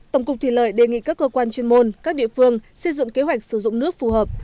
tổng cục thủy lợi đề nghị các cơ quan chuyên môn các địa phương xây dựng kế hoạch sử dụng nước phù hợp